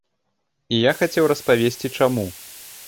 І я хацеў распавесці, чаму.